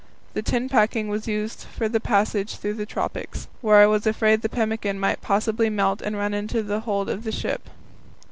The tin packing was used for the passage through the tropics, where I was afraid the pemmican might possibly melt and run into the hold of the ship.